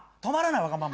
止まらない。